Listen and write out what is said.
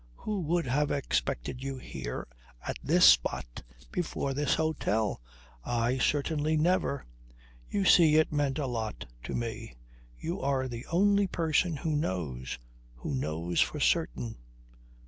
Who would have expected you here, at this spot, before this hotel! I certainly never ... You see it meant a lot to me. You are the only person who knows ... who knows for certain